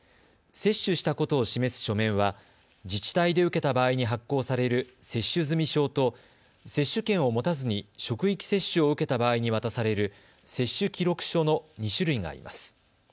接種したことを示す書面は自治体で受けた場合に発行される接種済証と接種券を持たずに職域接種を受けた場合に渡される接種記録書の２種類があります。